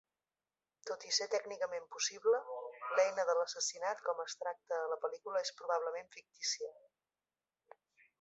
Tot i ser tècnicament possible, l'eina de l'assassinat com es tracta a la pel·lícula és probablement fictícia.